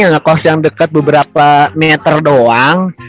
yang ngekost yang deket beberapa meter doang